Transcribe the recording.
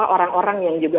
orang orang yang juga